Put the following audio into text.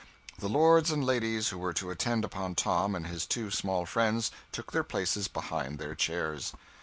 The lords and ladies who were to attend upon Tom and his two small friends took their places behind their chairs.